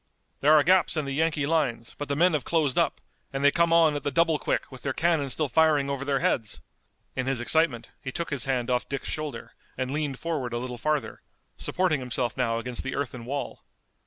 There are gaps in the Yankee lines, but the men have closed up, and they come on at the double quick with their cannon still firing over their heads!" In his excitement he took his hand off Dick's shoulder and leaned forward a little farther, supporting himself now against the earthen wall.